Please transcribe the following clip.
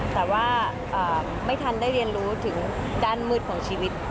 แต่ว่าไม่ทันได้เรียนรู้ถึงด้านมืดของชีวิต